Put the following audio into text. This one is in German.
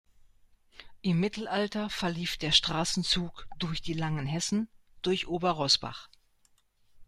Im Mittelalter verlief der Straßenzug „durch die langen Hessen“ durch Ober-Rosbach.